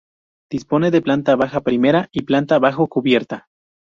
Dispone de planta baja, primera y planta bajo-cubierta.